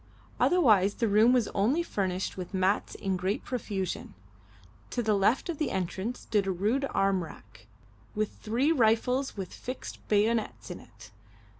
Otherwise the room was only furnished with mats in great profusion. To the left of the entrance stood a rude arm rack, with three rifles with fixed bayonets in it.